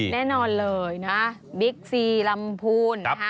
แน่นอนเลยนะบิ๊กซีลำพูน